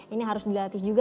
ini harus dilatih juga